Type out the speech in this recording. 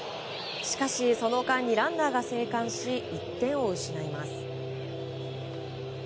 しかし、その間にランナーが生還し１点を失います。